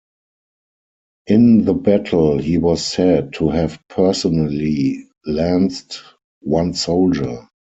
In the battle, he was said to have personally lanced one soldier.